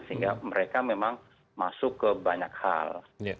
karena mereka memang masuk ke banyak hal